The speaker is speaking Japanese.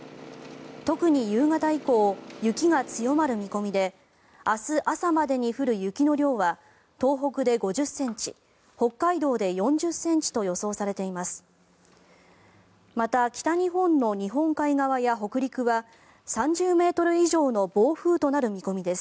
特に夕方以降雪が強まる見込みで明日朝までに降る雪の量は東北で５０ｃｍ北海道で４０ｃｍと予想されています。